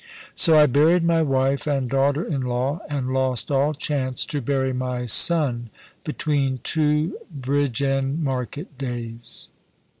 So I buried my wife and daughter in law, and lost all chance to bury my son, between two Bridgend market days.